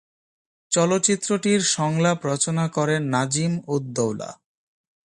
চলচ্চিত্রটির সংলাপ রচনা করেন নাজিম-উদ-দৌলা।